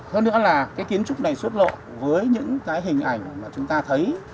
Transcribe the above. hơn nữa là kiến trúc này xuất lộ với những hình ảnh mà chúng ta thấy